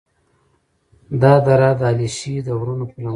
دا دره د علیشي د غرونو په لمنو کې